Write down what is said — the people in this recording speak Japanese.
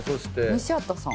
西畑さん。